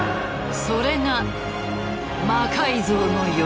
それが「魔改造の夜」だ。